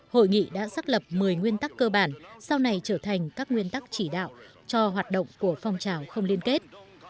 hội nghị đã xác lập một mươi nguyên tắc cơ bản sau này trở thành các nguyên tắc chỉ đạo cho hoạt động của phong trào không liên kết